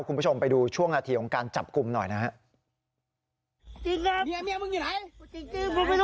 คุณผู้ชมไปดูช่วงนาทีของการจับกลุ่มหน่อยนะครับ